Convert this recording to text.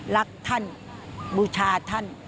ก็ควรบูชาท่าน